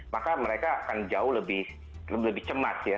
maka mereka akan jauh lebih cemas ya